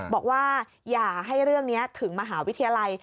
บอกว่าอย่าให้เรื่องนี้ถึงมหาวิทยาลัย